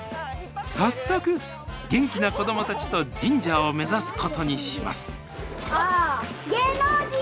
早速元気な子どもたちと神社を目指すことにします